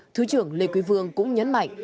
thứ trưởng lê quý vương cũng nhấn mạnh